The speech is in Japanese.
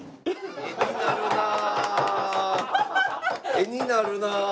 画になるなあ。